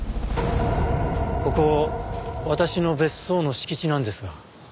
ここ私の別荘の敷地なんですが。